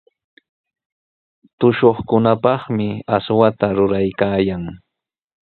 Tushuqkunapaqmi aswata ruraykaayan.